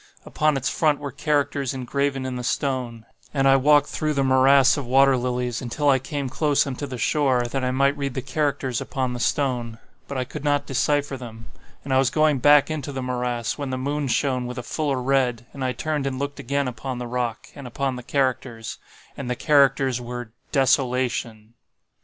Upon its front were characters engraven in the stone; and I walked through the morass of water lilies, until I came close unto the shore, that I might read the characters upon the stone. But I could not decypher them. And I was going back into the morass, when the moon shone with a fuller red, and I turned and looked again upon the rock, and upon the characters, and the characters were DESOLATION.